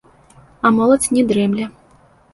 А моладзь не дрэмле.